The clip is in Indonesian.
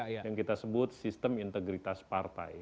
yang kita sebut sistem integritas partai